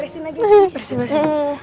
resin lagi resin